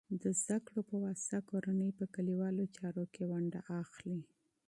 د تعلیم په واسطه، کورنۍ په کلیوالو چارو کې ونډه اخلي.